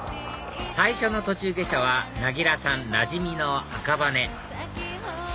最初の途中下車はなぎらさんなじみの赤羽